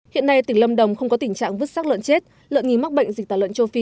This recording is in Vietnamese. hiện nay tỉnh lâm đồng không có tình trạng vứt sát lợn chết lợn nghi mắc bệnh dịch tả lợn châu phi